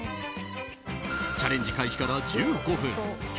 チャレンジ開始から１５分きょ